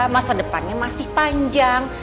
masa depannya masih panjang